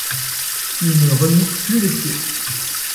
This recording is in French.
Il ne remit plus les pieds